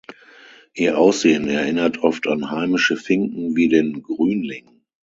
Ihr Aussehen erinnert oft an heimische Finken wie den Grünling.